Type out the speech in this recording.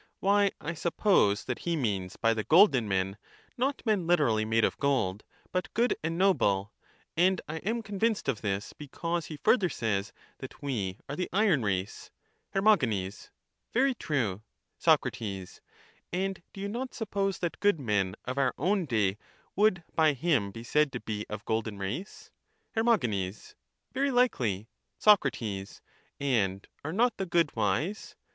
Why, I suppose that he means by the golden men, not men literally made of gold, but good and noble ; and I am convinced of this, because he further says that we are the iron race. Her. Very true. , Soc. And do you not suppose that good men of our own day would by him be said to be of golden race? Her. Very likely. Soc. And are not the good wise?